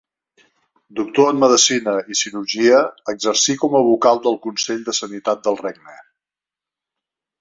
Doctor en medicina i cirurgia, exercí com a vocal del Consell de Sanitat del Regne.